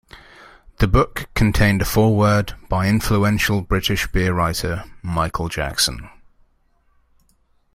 The book contained a foreword by influential British beer writer Michael Jackson.